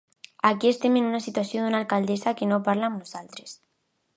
Aquí estem en una situació d’una alcaldessa que no parla amb nosaltres.